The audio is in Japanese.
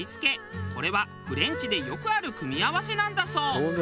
これはフレンチでよくある組み合わせなんだそう。